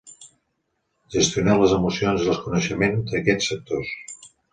Gestionar les emocions i el coneixement d'aquests sectors.